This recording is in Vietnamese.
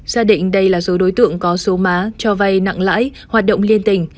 gia định đây là số đối tượng có số má cho vay nặng lãi hoạt động liên tình